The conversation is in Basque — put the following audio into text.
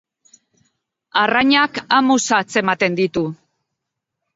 Arrainak amuz atzematen ditu.